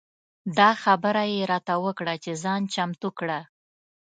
دا خبره یې راته وکړه چې ځان چمتو کړه.